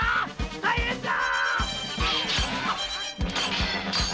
大変だ‼